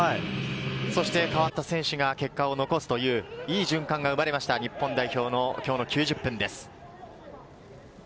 代わった選手が結果を残すといういい循環が生まれました日本代表の今日の９０分です。